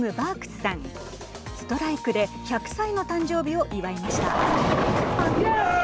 ストライクで１００歳の誕生日を祝いました。